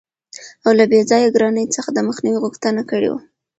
او له بې ځایه ګرانۍ څخه دمخنیوي غوښتنه کړې وه.